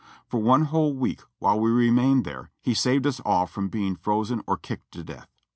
For one whole week, while we remained there, he saved us all from being frozen or kicked to death.